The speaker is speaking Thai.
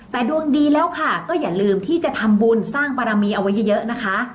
แต่ดวงดีแล้วค่ะก็อย่าลืมที่จะทำบุญสร้างบารมีเอาไว้เยอะนะคะ